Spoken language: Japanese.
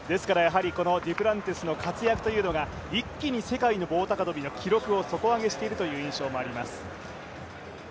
デュプランティスの活躍というのが世界の棒高跳の記録を底上げしているという印象もあります。